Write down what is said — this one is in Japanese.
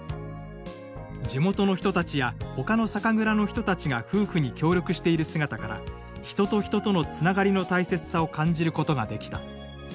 「地元の人たちやほかの酒蔵の人たちが夫婦に協力している姿から人と人とのつながりの大切さを感じることができた」